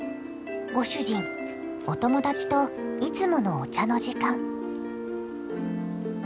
ご主人お友達といつものお茶の時間。